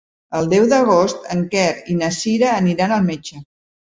El deu d'agost en Quer i na Cira aniran al metge.